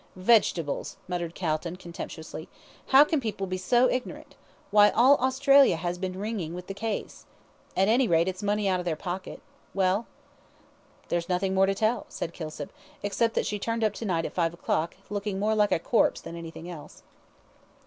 "Vegetables!" muttered Calton, contemptuously. "How can people be so ignorant! Why, all Australia has been ringing with the case. At any rate, it's money out of their pocket. Well?" "There's nothing more to tell," said Kilsip, "except that she turned up to night at five o'clock, looking more like a corpse than anything else."